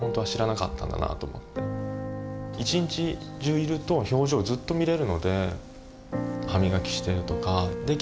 一日中いると表情をずっと見れるので歯磨きしてるとか「できたよ